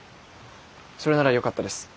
それならよかったです。